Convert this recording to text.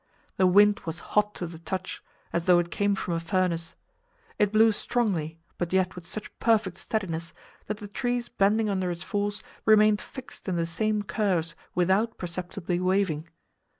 The wind was hot to the touch, as though it came from a furnace. It blew strongly, but yet with such perfect steadiness, that the trees bending under its force remained fixed in the same curves without perceptibly waving.